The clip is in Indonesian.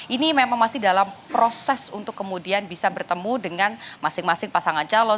ini memang masih dalam proses untuk kemudian bisa bertemu dengan masing masing pasangan calon